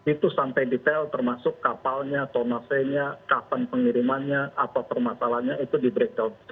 itu sampai detail termasuk kapalnya tonasenya kapan pengirimannya apa permasalahannya itu di breakdown